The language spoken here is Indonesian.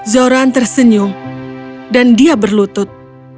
zoran tersenyum dan dia berlutut